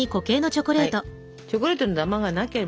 チョコレートのダマがなければ。